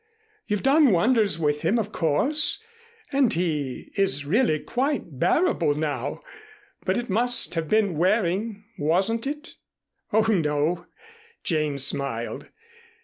You've done wonders with him, of course, and he is really quite bearable now, but it must have been wearing, wasn't it?" "Oh, no," Jane smiled.